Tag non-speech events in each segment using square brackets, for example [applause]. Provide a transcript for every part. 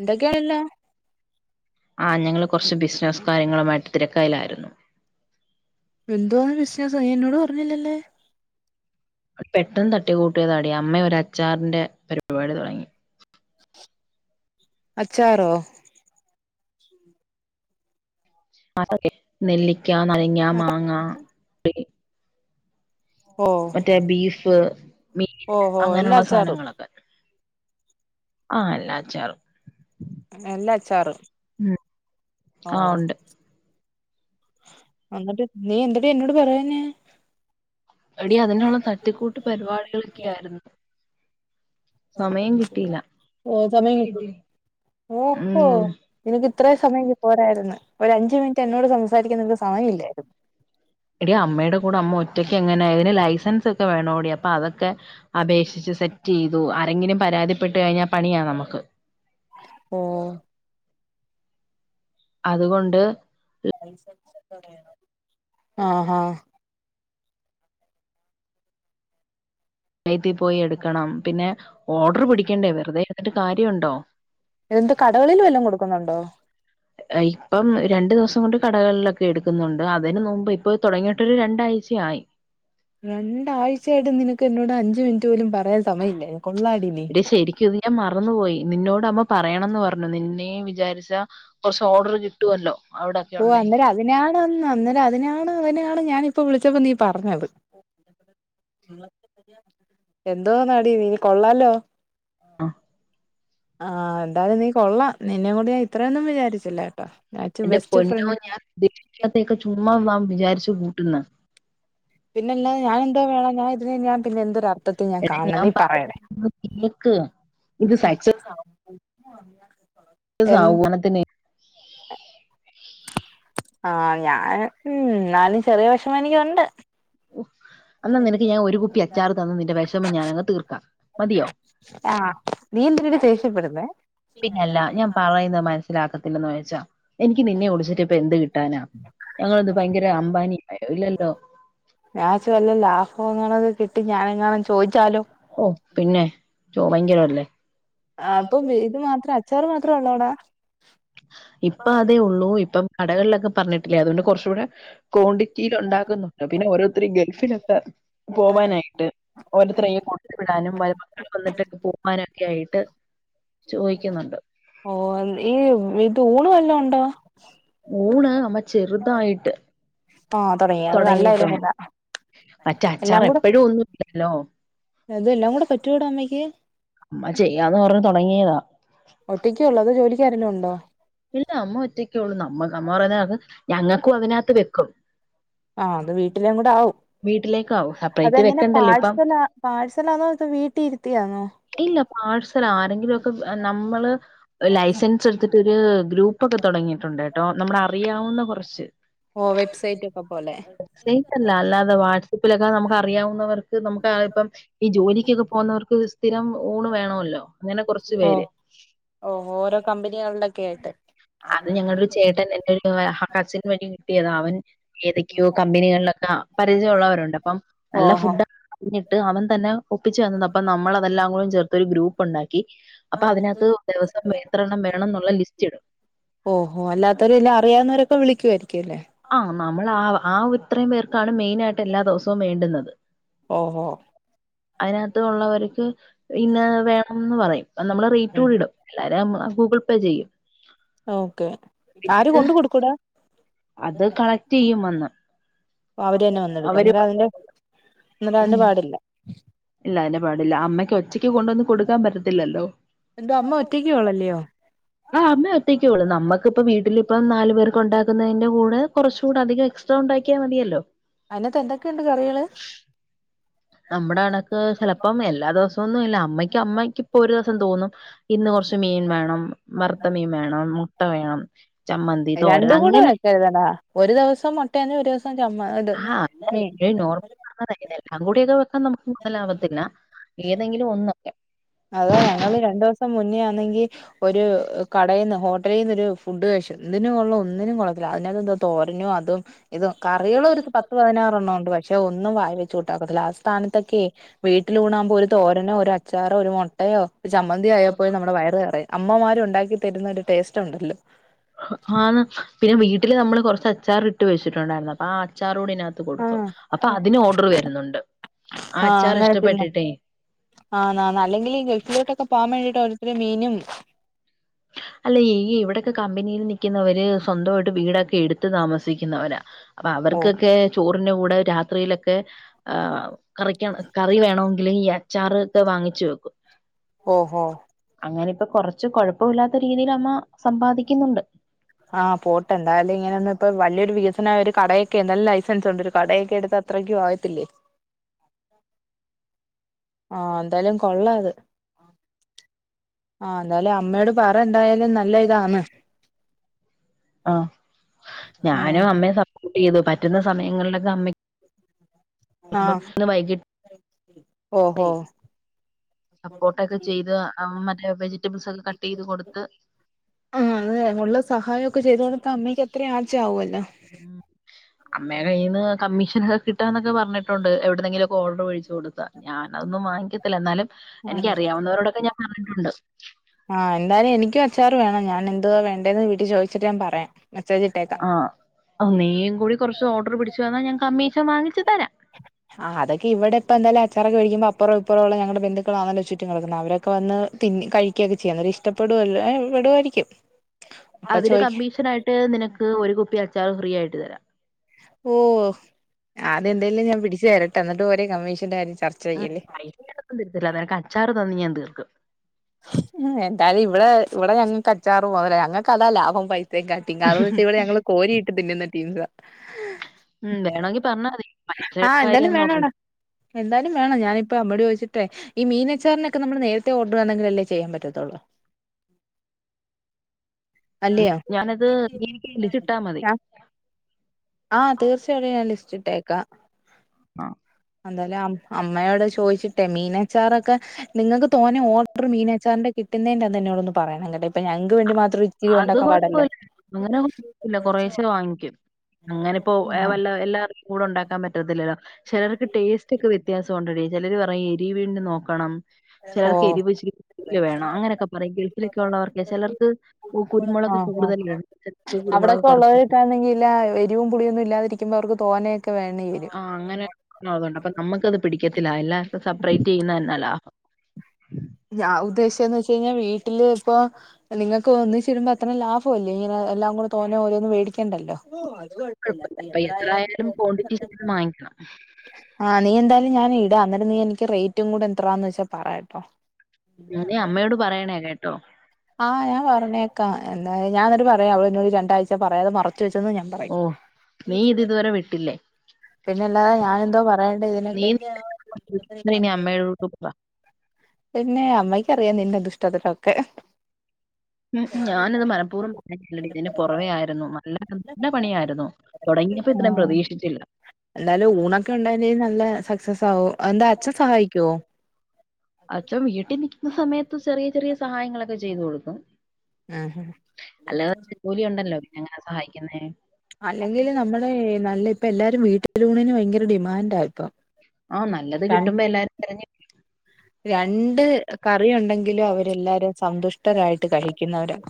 എന്തൊക്കേണ്ള്ളേ ആ ഞങ്ങള് കൊർച്ച് ബിസിനസ്സ് കാര്യങ്ങളുമായിട്ട് തിരക്കയിലായിരുന്നു എന്തുവാണ് ബിസ്നസ്സ് എന്നോട് പറഞ്ഞില്ലല്ലേ പെട്ടെന്ന് തട്ടി കൂട്ടിയതാടി അമ്മ ഒരു അച്ചാറിന്റെ പരിപാടി തുടങ്ങി അച്ചാറോ അതെ നെല്ലിക്ക നരങ്ങ മാങ്ങ ഓ മറ്റേ ബീഫ് മീൻ ഓ ഓ എല്ലാ അങ്ങനെയുള്ള അച്ചാറും സാനങ്ങളൊക്കെ ആ എല്ലാ അച്ചാറും എല്ലാ അച്ചാറും ഉം ഓ ആഹ് ഉണ്ട് എന്നിട്ട് നീ എന്തെടി എന്നോട് പറയാഞ്ഞേ എടി അതിനുള്ള തട്ടിക്കൂട്ട് പരിപാടികളൊക്കെ ആയിരുന്നു സമയം കിട്ടിയില്ല [unintelligible] ഓ സമയം കിട്ടി ഓഹോ ഓഹോ ഉം നിനക്ക് ഇത്രയും സമയങ്കി പോരായിരുന്ന് ഒര അഞ്ച് മിനിറ്റ് എന്നോട് സംസാരിക്കാ നിനക്ക് സമയം ഇല്ലേ എടീ അമ്മയുടെ കൂടെ അമ്മ ഒറ്റയ്ക്ക് എങ്ങനെ ഇതിന് ലൈസൻസ് അത് വേണോടി അപ്പൊ അതൊക്കെ അപേക്ഷിച്ച് സെറ്റ് ചെയ്തു ആരെങ്കിലും പരാതിപ്പെട്ട് കഴിഞ്ഞാ പണിയാ നമക്ക് ഓഹ് അതുകൊണ്ട് ആഹ് ആഹ് [unintelligible] പോയി എടുക്കണം പിന്നെ ഓർഡറ് പിടിക്കേണ്ടേ വെറുതെ ഇരുന്നിട്ട് കാര്യംണ്ടോ എന്ത് കടകളില് വല്ലോം കൊടുക്കുന്നുണ്ടോ ഇപ്പം രണ്ടു ദിവസം കൊണ്ട് കടകളിലൊക്കെ എടുക്കുന്നുണ്ട് അതിന് നുമ്പ് ഇപ്പൊ തൊടങ്ങിയിട്ടൊരു രണ്ടാഴ്ച്ച ആയി രണ്ടാഴ്ച്ചയായിട്ട് നിനക്ക് എന്നോട് അഞ്ചു മിനിറ്റ് പോലും പറയാൻ സമയം ഇല്ലേ കൊള്ളാടി നീ എടി ശരിക്കും ഇത് ഞാൻ മറന്നു പോയി നിന്നോട് അമ്മ പറയണംന്ന് പറഞ്ഞു നിന്നെയും വിചാരിച്ചാ കൊറച്ച് ഓർഡറ് കിട്ടുവല്ലോ അവിടൊക്കെ ഓ ഉണ്ടേ അന്നേരം അതിനാണ് അന്നേരം അതിനാണ് അതിനാണ് ഞാനിപ്പം വിളിച്ചപ്പോ നീ പറഞ്ഞത് എന്തുവാന്നാടി നീ കൊള്ളാലോ അ ആഹ് എന്തായാലും നീ കൊള്ളാം നിന്നെയും കൊണ്ട് ഞാൻ ഇത്രയൊന്നും വിചാരിച്ചില്ല കേട്ടോ ഞാൻ ഇച്ച് എന്റെ ബെസ്റ്റ് പൊന്നോ ഫ്രണ്ട് ഞാൻ [unintelligible] ത്തേക്ക്ചുമ്മാ വാ വിചാരിച്ചു കൂട്ടുന്നെ പിന്നെല്ലാതെ ഞാനെന്തോ വേണം ഞാൻ ഇതിനെ ഞാൻ പിന്നെ എന്തൊരു അർത്ഥത്തി ഞാൻ എടി കാണണം നീ പറയുന്നത് പറയണേ കേക്ക് ഇത് സക്സസ് [unintelligible] സ എ [unintelligible] ആഹ് ഞാൻ ഉം എന്നാലും ചെറിയ വെഷമം എനിക്കുണ്ട് ഉ എന്നാ നിനക്ക് ഞാൻ ഒരു കുപ്പി അച്ചാറ്ത്തന്ന് നിന്റെ വെഷമം ഞാനങ്ങ് തീർക്കാം മതിയോ ആഹ് നീ എന്തിനെടി ദേഷ്യപ്പെടുന്നെ പിന്നെല്ലാ ഞാൻ പറയുന്നത് മനസ്സിലാക്കത്തില്ലന്ന് വെച്ചാ എനിക്ക് നിന്നെ ഒളിച്ചിട്ട് ഇപ്പ എന്ത് കിട്ടാനാ ഞങ്ങളെന്ത് ഭയങ്കര അംബാനി ഇല്ലല്ലോ [unintelligible] വല്ല ലാഭം എങ്ങാണു ഒക്കെ കിട്ടി ഞാനെങ്ങാനും ചോയിച്ചാലോ ഓ പിന്നെ ചോ ഭയങ്കരവല്ലേ ആഹ് അപ്പൊ ഇത് മാത്രം അച്ചാറ് മാത്രേ ഒള്ളാേ എടാ ഇപ്പം അതേ ഒള്ളൂ ഇപ്പം കടകൾലൊക്കെ പർഞ്ഞിട്ടില്ലേ അതുകൊണ്ട് കാെർച്ചൂടെ കോണ്ടിറ്റീലൊണ്ടാക്കുന്നുണ്ട് പിന്നെ ഓരോര്ത്തെരീ ഗൾഫിലൊക്കെ പോവാനായിട്ട് ഓരോര്ത്രയ്യി കൊട്ത്ത് വിടാനും [unintelligible] മക്കള് വന്നിട്ട് പോവാനൊക്കെ ആയിട്ട് ചോയ്ക്കുന്നുണ്ട് ഓഹ് ഈ ഇത് ഊണ് വല്ലോം ഉണ്ടോ ഊണ് അമ്മ ചെറ്തായിട്ട് ആഹ് തുടങ്ങി അത് നല്ല താെടങ്ങീട്ടുണ്ട് ഐഡിയ മറ്റേ അച്ചാറ് എപ്പഴും ഒന്നും ഇല്ലല്ലോ അതെല്ലാം കൂടെ പറ്റൂവോടാ അമ്മയ്ക്ക് അമ്മ ചെയ്യാന്ന് പർഞ്ഞ് താെടങ്ങിയെതാ ഒറ്റെക്കെ ഒള്ളാേ അതോ ജോലിക്കാരേലും ഒണ്ടോ ഇല്ല അമ്മ ഒറ്റക്കേ ഒള്ളു നമ്മ അമ്മ പറയ്ണെക്ക് ഞങ്ങക്കും അതിനകത്ത് വെക്കും ആഹ് അത് വീട്ടിലേം കൂടെ ആവും വീട്ടിലേക്ക് ആവും സപ്പറെയ്റ്റ് വെക്കണ്ടല്ല ഇപ്പം പാഴ്സൽ ആന്നോ തോ വീട്ടി ഇര്ത്തിയാന്നോ ഇല്ല പാഴ്സലാ ആരെങ്കിലും ഒക്കെ നമ്മള് ലൈസൻസെട്ത്ത്ട്ട് ര് ഗ്രൂപ്പൊക്കെ തൊടങ്ങീട്ടുണ്ട് കേട്ടോ നമ്മ്ടെ അറിയാവുന്ന കൊറെച്ച് ഓഹ് വെബ്സയ്റ്റാെക്കെ പോലെ വെബ്സയ്റ്റല്ല അല്ലാതെ വാട്സപ്പിലൊക്കെ നമുക്ക് അറിയാവുന്നവർ ക്ക് നമുക്കാ ഇപ്പം ഈ ജോലിക്ക്യൊക്കെ പോവുന്നവർക്ക് സ്ഥിരം ഊണ് വേണവല്ലോ അങ്ങെനെ കൊറച്ച് പേര് ഓഹ് ഓരോ കമ്പനികൾലൊക്കെ ആയിട്ട് അത് ഞങ്ങൾടെ ഒരു ചേട്ടൻ എന്റെ ഒരു കസിൻ വഴി കിട്ടിയതാ അവൻ ഏതെക്കെയോ കമ്പനികൾലക്കാ പരിചയ ഉള്ളവരുണ്ട് അപ്പം നല്ല ഓഹോ ഫുഡാെ ഞ്ഞിട്ട് അവൻ തന്നെ ഒപ്പിച്ച് തന്നതാ അപ്പം നമ്മളതെല്ലാം കൂടെം ചേർത്തൊര് ഗ്രൂപ്പുണ്ടാക്കി അപ്പൊ അതിനകത്ത് ദിവസം എത്രെണ്ണം വേണംന്നുള്ള ലിസ്റ്റിടും ഓഹോ അല്ലാത്തവെര് എല്ലാം അറിയാവുന്നവരൊക്കെ വിളിക്കുവായിരിക്കു അല്ലേ? ആഹ് നമ്മള് ആഹ് ആഹ് ഇത്രേം പേർക്കാണ് മെയ്നായിട്ട് എല്ലാ ദ്‌വ്സവും വേണ്ട്ന്നത് ഓഹോ അയ്നകത്ത് ഉള്ളവര്ക്ക് ഇന്നത് വേണംന്ന് പറയും നമ്മള് റെയ്റ്റൂടി ഇടും എല്ലാരും ഞമ്മള ഗൂഗിൾ പേ ചെയ്യും ഓക്കെ പിന്നെ ആര് ഇത് കൊണ്ട് കൊട്ക്കൂടാ അത് കളക്ടെയ്യും വന്ന് ഓഹ് അവര് തന്നെ വന്നെട്ക്കും അവര് ന്നിട്ട് ഉം അത്ന്റെ [unintelligible] പാടില്ലാ ഇല്ല അയ്ന് പാടില്ലാ അമ്മയ്ക്ക് ഒറ്റെയ്ക്ക് കൊണ്ട് വന്ന് കൊട്ക്കാം പറ്റത്തില്ലല്ലോ എന്തോ ത് അമ്മ ഒറ്റെക്ക്യാണോ ഒറ്റയ്ക്കുള്ളല്ലയോ ആഹ് അമ്മെ ഒറ്റെക്കേള്ളൂ നമ്മക്ക്പ്പം വീട്ടിലിപ്പം നാല് പേർക്ക് ഉണ്ടാക്കുന്നതിന്റെ കൂടെ കൊർച്ചുടെ അധികം എക്സ് ട്രാ ഉണ്ടാക്ക്യാ മതിയല്ലോ അയ്നകത്ത് എന്തെക്കെണ്ട് കറികള് നമ്മുടെ കണക്ക് ചെലപ്പം എല്ലാ ദിവസാെന്നും ഇല്ലാ അമ്മയ്ക്ക് അമ്മയ്ക്ക്പ്പൊ ഒര് ദ്വ്സം തോന്നും ഇന്ന് കൊർച്ച് മീൻ വേണം വർത്ത മീൻ വേണം മുട്ട വേണം ചമ്മന്തി തോരൻ രണ്ട് കൂടെ അങ്ങനെ വക്കെര്തെടാ ഒര് ദ്‌വെസം മുട്ടെയാന്നേ ഒര് ദ്‌വെസം ചമ്മ ഇത് ആഹ് നോർ മീൻ [unintelligible] അത് കൂടിയൊക്കെ വെക്കാൻ നമ്ക്ക് മൊതലാവാത്തില്ലാ ഏതെങ്കിലും ഒന്ന് അതാ ഞങ്ങള് രണ്ടൂസം മുന്നേ ആന്നെങ്കി ഒര് കടേന്ന് ഹോട്ടെലീന്നൊര് ഫുഡ് കഴ്ച്ചു ന്തിന് കൊള്ളാ ഒന്നിനും കൊള്ളത്തില്ല അത്‌നകത്ത് എന്താ തോരനോ അതും ഇത് കറികളും ഒരു പത്ത് പതിനാറെണ്ണം ഉണ്ട് പക്ഷെ ഒന്നും വായി വെച്ച് കൂട്ടാനൊക്കത്തില്ല ആഹ് സ്ഥാനത്തൊക്കെ വീട്ടിലൂണാകുമ്പോ ഒരു തോരനോ ഒരു അച്ചാറോ ഒരു മുട്ടയോ ഒയു ഒരു ചമ്മന്തി ആയാപ്പോലും നമ്മുടെ വയറ് നെറയും അമ്മമാര് ഉണ്ടാക്കി തരുന്ന ഒരു ടേസ്റ്റ് ഉണ്ടല്ലോ ആഹ് പിന്നെ വീട്ടില് നമ്മള് കൊറച്ച് അച്ചാറ് ഇട്ട് വെച്ചിട്ടുണ്ടായിരുന്നു ആഹ് അച്ചാറൂടെ ഇതിനകത്ത് കൊടുക്കും ആഹ് അപ്പൊ അതിന് ഓർഡർ വരുന്നുണ്ട് ആഹ് അച്ചാർ ഇഷ്ടപ്പെട്ടിട്ടേ ആണോ അല്ലെങ്കിൽ ഈ ഗൾഫിലോട്ടൊക്കെ പോകാൻ വേണ്ടിട്ട് ഓരോരുത്തരു മീനും അല്ല ഈ ഇവിടെയൊക്കെ കമ്പനിയിൽ നിക്കുന്നവര് സ്വന്തവായിട്ട് വീടൊക്കെ എടുത്ത് താമസിക്കുന്നവരാ അപ്പൊ ഓ അവർക്കൊക്കെ ചോറിന്റെ കൂടെ രാത്രിയിലൊക്കെ ആഹ് കറിക്ക് കറി വേണമെങ്കില് ഈ അച്ചാറ് ഒക്കെ വാങ്ങിച്ചു വെക്കും ഓഹോ അങ്ങനെ ഇപ്പൊ കൊറച്ച് കൊഴപ്പമില്ലാത്ത രീതിയില് അമ്മ സമ്പാദിക്കുന്നുണ്ട് ആഹ് പോട്ടെ എന്തായാലും ഇങ്ങനൊന്നും ഇപ്പൊ വലിയൊരു വികസനം ഒരു കടെ എന്തായാലും ലൈസൻസ് ഉണ്ട് ഒരു കടയൊക്കെയെടുത്ത് അത്രയ്ക്കും ആകത്തില്ലേ ആഹ് എന്തായാലും കൊള്ളാത് ആഹ് എന്തായാലും അമ്മയോട് പറ എന്തായാലും നല്ല ഇതാന്ന് ആഹ് ആഹ് ഞാനും അമ്മയെ സപ്പോർട്ട് ചെയ്തു പറ്റുന്ന സമയങ്ങളിലൊക്കെ അമ്മ ആഹ് ഇന്ന് വൈകിട്ട് ഓഹോ സപ്പോട്ടൊക്കെ ചെയ്ത് മറ്റേ വെജിറ്റബിൾസ് ഒക്കെ കട്ട് ചെയ്ത് കൊടുത്ത് ആഹ് അതേ ഉള്ള സഹായം ഒക്കെ ചെയ്തു കൊടുത്താ അമ്മയ്ക്ക് അത്രയും ആച്ച് ആവൂല്ലോ. അമ്മേടെ കയ്യിൽ നിന്ന് കമ്മീഷനൊക്കെ കിട്ടുകാന്നൊക്കെ പറഞ്ഞിട്ടുണ്ട് എവിടെുന്നെങ്കിലുവൊക്കെ ഓർഡർ പിടിച്ച് ത്തു കൊടുത്താ ഞാന് അതൊന്നും വാങ്ങിക്കത്തില്ല എന്നാലും എനിക്ക് ആഹ് അറിയാവുന്നവരോടൊക്കെ ഞാൻ പറഞ്ഞിട്ടുണ്ട്. ആഹ് എന്തായാലും എനിക്കും അച്ചാറ് വേണം. ഞാൻ എന്തുവാ വേണ്ടേന്ന് വീട്ടി ചോദിച്ചിട്ട് ഞാൻ പറയാ മെസ്സേജ് ഇട്ടേ. ആഹ് നീയും കൂടി കൊറച്ച് ഓർഡർ പിടിച്ചു തന്നാൽ ഞാൻ കമ്മീഷൻ വാങ്ങിച്ചു തരാം. ആഹ് അതൊക്കെ ഇവിടെപ്പൊന്തായാലും അച്ചാറൊക്കെ വേടിക്കുംമ്പം അപ്പറോം ഇപ്പറുള്ള ഞങ്ങളുടെ ബന്ധുക്കളാണല്ലോ ചുറ്റും കെടക്കുന്നേ അവര്. അപ്പൊ വന്ന് തിന്ന കഴിക്കുകയൊക്കെ ചെയ്യും അന്നേരം ഇഷ്ടപ്പെടുവെല്ലോ ഏഹ് പെടുമായിരിക്കും. അതിന് കമ്മീഷൻ ആയിട്ട് നിനക്ക് ഒരു കുപ്പി അച്ചാറ് ഫ്രീ ആയിട്ട് തരാം. ഓഹ് ആദ്യം എന്തേലും ഞാൻ പിടിച്ചു തരട്ടെ എന്നിട്ട് പോരേ കമ്മീഷന്റെ കാര്യം ചർച്ച ചെയ്യല്. [unintelligible] തെരത്തില്ല നിനക്ക് അച്ചാറ് തന്ന് ഞാൻ തീർക്കും. ഉംഹ് എന്തായാലും ഇവിടെ ഇവിടെ ഞങ്ങക്ക് അച്ചാറ് പോരെ ഞങ്ങക്ക് അതാ ലാഭം പൈ. [unintelligible] ഇവിടെ ഞങ്ങള് കോരി ഇട്ട് തിന്നുന്ന ടീംസാ. ഉം വേണോങ്കിൽ വേണമെങ്കിൽ പറഞ്ഞാ പറഞ്ഞോ. മതി പൈസയുടെ ആഹ് എന്താലും കാര്യമൊന്നും വേണോടാ. നോക്കണ്ട എന്തായാലും വേണം ഞാനിപ്പോ അമ്മയോട് ചോയ്ച്ചിട്ടെ ഈ മീനച്ചാറിനൊക്കെ നമ്മൾ നേരത്തെ ഓർഡ. ഡർ തന്നങ്കിലല്ലേ ചെയ്യാൻ പറ്റത്തുള്ളൂ. അല്ലെയോ ഞാനത് നീ എനിക്ക് ലിസ്റ്റ് ഇട്ടാ മതി [unintelligible] ആഹ് തീർച്ചയായിട്ടും ഞാൻ ലിസ്റ്റ് ഇട്ടേക്കാം. ആഹ്. എന്തായാലും അമ്മയോട് ചോദിച്ചിട്ടേ മീനച്ചാറൊക്കെ നിങ്ങൾക്ക് തോനേ ഓർഡർ ആഹ് മീനച്ചാറിൻ്റെ. കിട്ടുന്നേന്റെ അന്ന് എന്നോടൊന്ന്. പറയണേ ങ്ങട്ട് ഇപ്പൊ ഞങ്ങക്ക് വേണ്ടി മാത്രം ഇച്ചിരി അത് ഉണ്ടാക്കാൻ പാടല്ലേ. കുഴപ്പമില്ല അങ്ങനെ കുഴപ്പമില്ല കുറേശ്ശെ വാങ്ങിക്കും അങ്ങനെ ഇപ്പോ വല്ല എല്ലാവർക്കും കൂടെ ഉണ്ടാക്കാൻ പറ്റത്തില്ലല്ലോ. ചെലർക്ക് ടേസ്റ്റ് ഒക്കെ വ്യത്യാസം ഉണ്ടെടി ചെലര് പറയും എരിവീണ്ട് നോക്കണം. ചെലർക്ക് ഓഹ് എരിവിച്ചിരി കൂടുതൽ വേണം അങ്ങനെയൊക്കെ പറയെങ്കിൽ. [inaudible] ഉള്ളവർക്കെ ചെലർക്ക് കുരുമുളക് ആഹ് ആഹ് കൂടുതലിടണം ചെലർക്ക് കുരുമുളക് അവിടൊക്കെ കുറച്ച്. ഉള്ളവരൊക്കൊണെങ്കില് എരിവും പുളിയൊന്നും ഇല്ലാതിരിക്കുമ്പോ അവർക്ക് തോനോയെക്കെ വേണ്ടി വരും ആഹ് അങ്ങനെണ്ട് [inaudible] അപ്പൊ നമ്മുക്കത് പിടിക്കത്തില്ല എല്ലാർക്കും സെപ്പറേറ്റ് ചെയ്യുന്ന ന്നല്ലാ. [inaudible] ഞാൻ ഉദ്ദേശിച്ചത് ന്ന് വെച്ച്കഴിഞ്ഞാൽ വീട്ടില് ഇപ്പൊ നിങ്ങൾക്ക് ഒന്നിച്ചിരുമ്പോ അത്ര ലാഭല്ലേ ഇങ്ങനെ എല്ലാം കൂടെ തോന്ന ഓരോന്നും വേടിക്കേണ്ടല്ലോ ഉം അത് കൊഴപ്പ. കൊഴപ്പല്ല അപ്പ എത്രയാലും ക്വാണ്ടിറ്റിന്ന് മാങ്ങിക്കണം ആഹ് നീ എന്തായാലും ഞാന് ഇടാം ന്ന്ട്ട്നീ എനിക്ക് റേറ്റും കൂടെ എത്രാന്ന് വെച്ചാ പറയാട്ടോ നീ അമ്മയോട് പറയണേ കേട്ടോ ആഹ് ഞാൻ പറഞ്ഞേക്കാം. എന്താ ഞാന് ന്ന്ട്ട് പറയാം അവളന്നോട് രണ്ടാ്ച പറയാത മറച്ച് വെച്ച് എന്നും ഞാൻ പറയും ഓഹ് നീ ഇത് ഇതുവരെ വിട്ടില്ലേ പിന്നെ അല്ലാതെ ഞാനെന്തോ പറയണ്ടേ നീ ഇതിനൊക്കെ [inaudible] അമ്മയോട് [unintelligible] പിന്നെ അമ്മയ്ക്ക് അറിയാം നിന്റെ ദുഷ്ടതൊരക്കെ ഉം ഞാനിത് മനപ്പൂർവം പറയാഞ്ഞതല്ലടി ഇതിന് പുറവേയായിരുന്നു. നല്ല നല്ല പണിയായിരുന്നു തുടങ്ങിയപ്പോ ഇത്രയും പ്രതീക്ഷിച്ചില്ല. എല്ലാലും ഊണൊക്കെ ണ്ടായേനേ നല്ല സക്സസ് ആകും. എന്താ അച്ഛൻ സഹായിക്കുവോ? അച്ഛൻ വീട്ടി നിക്കുന്ന സമയത്ത് ചെറിയ ചെറിയ സഹായങ്ങളൊക്കെ ചെയ്ത് കൊടുക്കും ആഹ് അല്ലാതെ ജോലി ഉണ്ടല്ലോ പിന്നെ എങ്ങനെ സഹായിക്കുന്നേ അല്ലെങ്കിൽ നമ്മുടെ ഏഹ് നല്ല പ്പ എല്ലാരും വീട്ടിലൂണിന് ഭയങ്കര ഡിമാൻഡ് ഇപ്പൊ ആഹ് നല്ലത് കിട്ടുമ്പോ എല്ലാരും തെരഞ്ഞ് രണ്ട് കറി ഉണ്ടെങ്കിലും അവരെല്ലാരും സന്തുഷ്ടരായിട്ട് കഴിക്കുന്നവരാ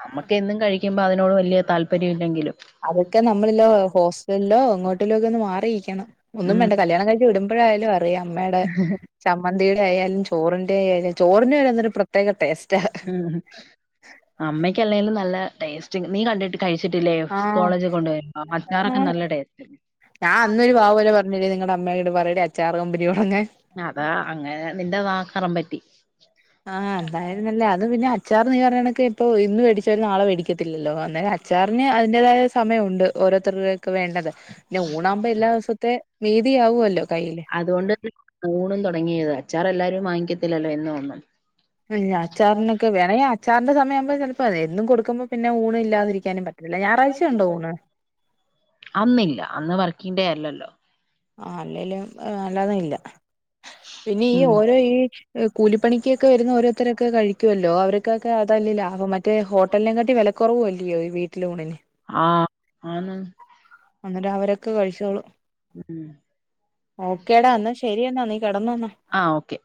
നമ്മക്ക് എന്നും കഴിക്കുമ്പോ അതിനോട് വലിയ താല്പര്യം ഇല്ലെങ്കിലും അതൊക്കെ നമ്മളല്ലോ ഹോസ്റ്റലിലോ എങ്ങോട്ടോലോ ഒക്കെ ഒന്ന് മാറിയിരിക്കണം. ഒന്നും ഉം, വേണ്ട കല്യാണം കഴിച് വിടുമ്പോഴായാലും അറിയാം അമ്മേടെ ചമ്മന്തിയുടെ ആയാലും ചോറിന്റെ ആയാലും ചോറിന് വരെ എന്തൊരു പ്രത്യേ. പ്രത്യേക ടേസ്റ്റാ ഉം അമ്മക്ക് അല്ലെലും നല്ല ടേസ്റ്റ് നീ കണ്ടിട്ട് കഴിച്ചിട്ടില്ലേ ആഹ് കോളേജ് കൊണ്ട വരുമൊ അച്ചാറൊക്കെ നല്ല ടേസ്റ്റ് ഞാൻ അന്ന് ഒരു ആവു പോലെ പറഞ്ഞില്ലേ നിങ്ങളടെ അമ്മയോട് പറയേ അച്ചാറ് കമ്പനി തുടങ്ങാൻ അതാ അങ്ങനെ നിന്റെ നാക്ക് അറൻ പറ്റി ആ എന്തായാല് നല്ല അത് പിന്നെ അച്ചാർ നീ പറഞ്ഞ കണക്കെ ഇപ്പൊ ഇന്ന് മേിച്ചവര് നാളെ മേടിക്കത്തില്ലോ അന്ന അച്ചാറിന് അതിന്റേതായ സമയമുണ്ട് ഓരോത്തര്ക്ക് ഒക്കെ വേണ്ടത് പിന്നെ ഊണാകുമ്പോ എല്ലാ ദിവസത്തെ നീതി ആവു അല്ലോ കയ്യില് അതുകൊണ്ട് ഊണും തുടങ്ങിയത് അച്ചാർ എല്ലാരും വാങ്ങിക്കത്തില്ലല്ലോ എന്ന് ഒന്നും ഉം അച്ചാറിനൊക്കെ വേണെങ്കി അച്ചാറിന്റെ സമയയാവുമ്പോ ചെലപ്പോ എന്നും കൊടുക്കുമ്പോ പിന്നെ ഊണ് ഇല്ലാതിരിക്കാനും പറ്റത്തില്ല ഞായറാഴ്ച്ച ഉണ്ടോ ഊണ് അന്നില്ല അന്ന് വർക്കിങ്ഡേ അല്ലല്ലോ ആ അല്ലേലും അല്ലാന്ന ഇല്ല പിന്നെ ഈ ഉം ഓരോ ഈ കൂലിപണിക്കൊക്കെ വരുന്ന ഓരോരുത്തരൊക്കെ കഴിക്കു അല്ലോ അവർക്കൊക്കെ അതല്ലെ ലാഭം മറ്റ മറ്റേ ഹോട്ടലിനെ കാട്ടിലും വിലക്കുറവും അല്ലിയോ വീട്ടിലെ ഊണ് ആഹ് ആന്ന് എന്നിട്ട് അവരൊക്കെ കഴിച്ചോളൂ ഉം ഓക്കെേടാ എന്നാ ശരി എന്നാ നീ കിടന്നോ എന്നാ ആഹ് ഓക്കെ